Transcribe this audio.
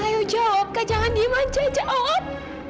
ayo jawab kak jangan dimanjai jawab